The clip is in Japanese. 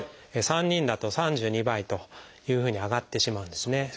３人だと３２倍というふうに上がってしまうんですね。